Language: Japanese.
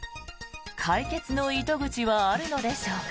解決の糸口はあるのでしょうか。